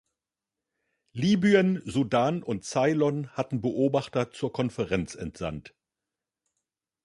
Libyen, Sudan und Ceylon hatten Beobachter zur Konferenz entsandt.